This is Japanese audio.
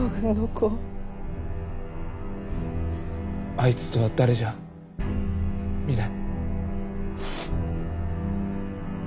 あいつとは誰じゃ御台？